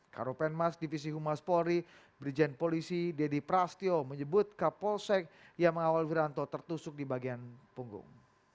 karopenmas divisi humas polri brigjen polisi deddy prasetyo menyebut kapolsek yang mengawal wiranto tertusuk di bagian punggung